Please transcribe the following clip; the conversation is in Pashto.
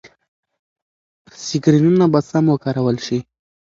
سکرینونه به سم وکارول شي.